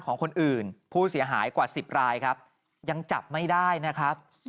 ของคนอื่นผู้เสียหายกว่า๑๐รายครับยังจับไม่ได้นะครับ